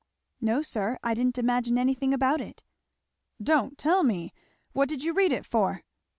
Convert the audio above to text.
"No sir. I didn't imagine anything about it." "Don't tell me! What did you read it for?"